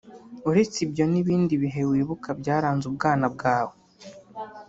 uretse ibyo ni ibindi bihe wibuka byaranze ubwana bwawe